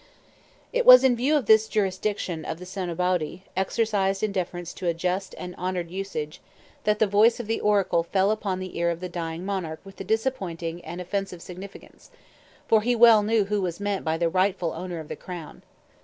It was in view of this jurisdiction of the Senabawdee, exercised in deference to a just and honored usage, that the voice of the oracle fell upon the ear of the dying monarch with a disappointing and offensive significance; for he well knew who was meant by the "rightful owner" of the crown.